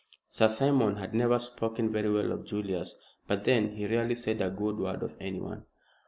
Sir Simon had never spoken very well of Julius, but then he rarely said a good word of anyone.